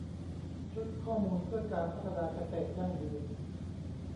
ชุดข้อมูลเพื่อการพัฒนาเกษตรยั่งยืน